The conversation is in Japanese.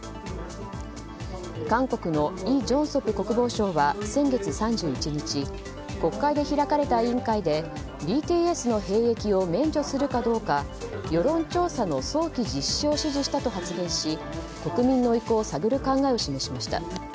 韓国のイ・ジョンソプ国防相は先月３１日国会で開かれた委員会でＢＴＳの兵役を免除するかどうか世論調査の早期実施を指示したと発言し国民の意向を探る考えを示しました。